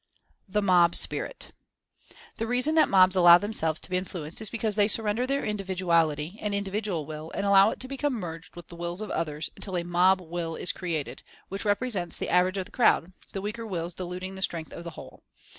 THE The reason that mobs allow themselves to be in fluenced is because they surrender their Individuality, and Individual Will, and allow it to become merged with the Wills of others, until a "mob Will" is created, which represents the average of the crowd, the weaker wills diluting the strength of the whole.